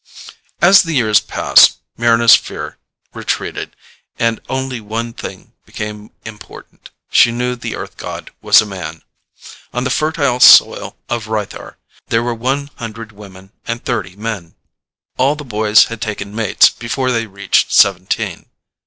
As the years passed, Mryna's fear retreated and only one thing became important: she knew the Earth god was a man. On the fertile soil of Rythar there were one hundred women and thirty men. All the boys had taken mates before they reached seventeen.